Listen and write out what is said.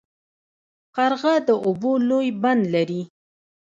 قرغه د اوبو لوی بند لري.